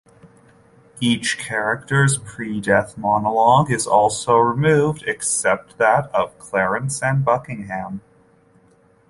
Each character's pre-death monologue is also removed, except that of Clarence and Buckingham.